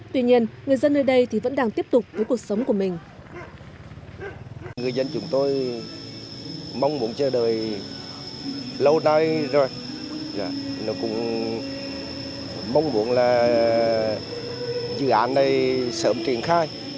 tuy nhiên người dân nơi đây thì vẫn đang tiếp tục với cuộc sống của mình